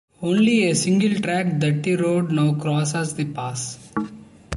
Only a single track dirt road now crosses the pass.